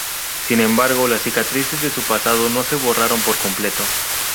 Sin embargo, las cicatrices de su pasado no se borraron por completo.